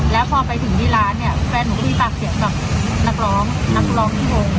แล้วพอไปถึงที่ร้านเนี่ยแฟนหนูมีปากเสียดกับนักร้องที่โรง